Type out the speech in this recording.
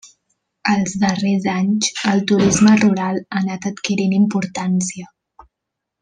Els darrers anys el turisme rural ha anat adquirint importància.